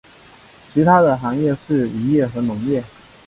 其它的行业是渔业和农业。